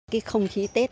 cái không khí tết